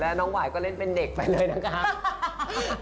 แล้วน้องหวายก็เล่นเป็นเด็กไปเลยนะคะ